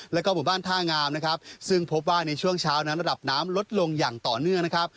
แล้วก็หมู่บ้านท่างามนะครับซึ่งพบว่าในช่วงเช้านั้นระดับน้ำลดลงอย่างต่อเนื่องนะครับ